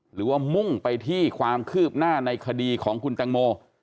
มุ่งไปที่ความคืบหน้าในคดีของคุณแตงโม